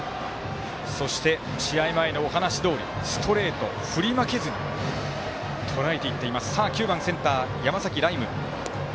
そして、試合前のお話どおりストレートに振り負けずにとらえていっています。